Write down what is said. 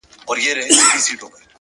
عاجزي د لویوالي نښه ده!.